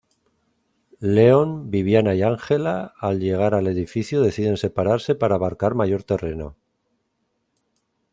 Leon, Viviana y Angela al llegar al edificio deciden separarse para abarcar mayor terreno.